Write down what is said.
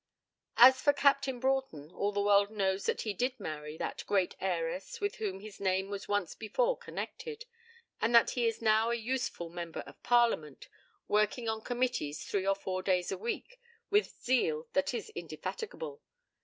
As for Captain Broughton, all the world knows that he did marry that great heiress with whom his name was once before connected, and that he is now a useful member of Parliament, working on committees three or four days a week with zeal that is indefatigable.